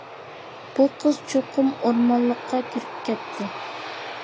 بۇ قىز چوقۇم ئورمانلىققا كىرىپ كەتتى.